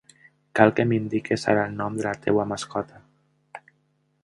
Cal que m'indiquis ara el nom de la teva mascota.